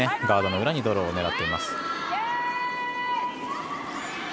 ガードの裏にドローを狙っています。